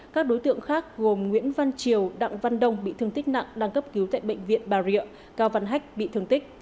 các đối tượng khác gồm nguyễn văn triều đặng văn đông bị thương tích nặng đang cấp cứu tại bệnh viện bà rịa cao văn hách bị thương tích